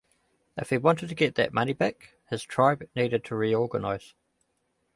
If he wanted to get that money back, his tribe needed to reorganize.